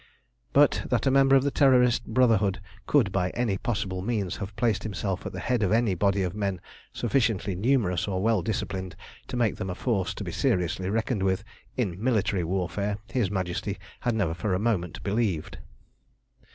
But that a member of the Terrorist Brotherhood could by any possible means have placed himself at the head of any body of men sufficiently numerous or well disciplined to make them a force to be seriously reckoned with in military warfare, his Majesty had never for a moment believed.